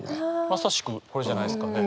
まさしくこれじゃないですかね。